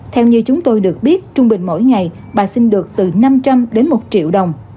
theo như chúng tôi được biết trung bình mỗi ngày bà sinh được từ năm trăm linh đến một triệu đồng